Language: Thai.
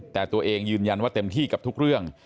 แต่ตัวเองยืนยันว่าเต็มที่กับทุกเรื่อง